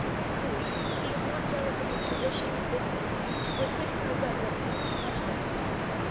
2. He is not jealous of his position and dignity, or quick to resent what seems to touch them.